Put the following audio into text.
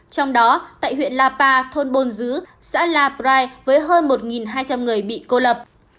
trong đó tại huyện lapa thôn bồn dứ xã la prai với hơn một hai trăm linh người bị cô lập